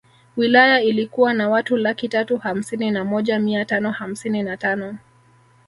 Wilaya ilikuwa na watu laki tatu hamsini na moja mia tano hamsini na tano